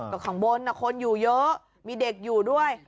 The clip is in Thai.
ก็ข้างบนคนอยู่เยอะมีเด็กอยู่ด้วย